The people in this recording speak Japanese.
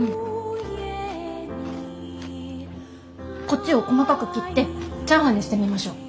こっちを細かく切ってチャーハンにしてみましょう。